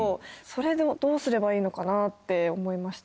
それどうすればいいのかなって思いました。